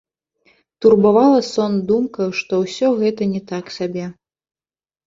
Турбавала сон думка, што ўсё гэта не так сабе.